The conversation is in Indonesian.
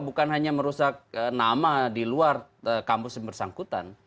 bukan hanya merusak nama di luar kampus yang bersangkutan